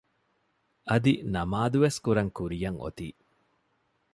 އަދި ނަމާދުވެސް ކުރަން ކުރިޔަށް އޮތީ